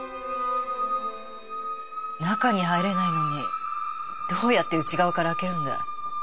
中に入れないのにどうやって内側から開けるんだい？